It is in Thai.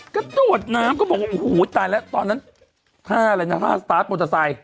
กระโดดน้ำก็บอกว่าโอ้โหตายแล้วตอนนั้น๕อะไรนะ๕สตาร์ทมอเตอร์ไซค